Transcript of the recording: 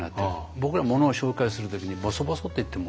僕らものを紹介するときにボソボソって言っても。